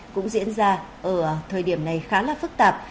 cũng diễn ra ở thời điểm này khá là phức tạp